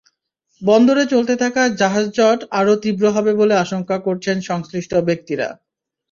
বন্দরে চলতে থাকা জাহাজজট আরও তীব্র হবে বলে আশঙ্কা করছেন সংশ্লিষ্ট ব্যক্তিরা।